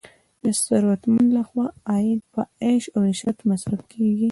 د ثروتمندو لخوا عاید په عیش او عشرت مصرف کیږي.